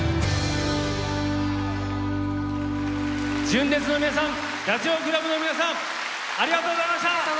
純烈の皆さんダチョウ倶楽部の皆さんありがとうございました！